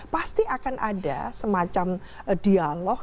pasti akan ada semacam dialog